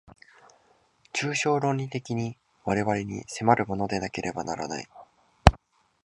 抽象論理的に我々に迫るものでなければならない。